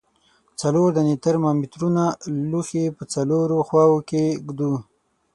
څلور دانې ترمامترونه لوښي په څلورو خواو کې ږدو.